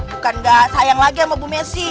bukan gak sayang lagi sama bu messi